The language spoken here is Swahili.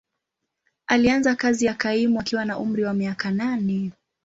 Alianza kazi ya kaimu akiwa na umri wa miaka nane.